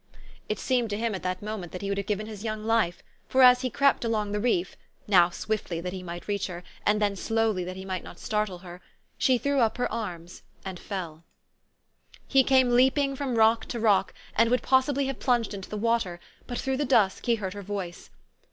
It seemed to htm at that moment that he would have given his young life ; for as he crept along the reef now swiftly, that he might reach her, and then slowly, that he might not startle her she threw up her arms, and fell. 80 THE STOEY OF AVIS. He came leaping from rock to rock, and would pos sibly have plunged into the water ; but through the dusk he heard her voice.